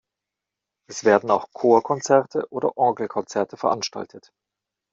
Es werden auch Chorkonzerte oder Orgelkonzerte veranstaltet.